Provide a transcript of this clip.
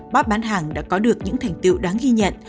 bot bán hàng đã có được những thành tiệu đáng ghi nhận